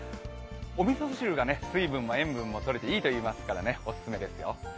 おみそ汁が水分も塩分もとれていいといいますからオススメですよ。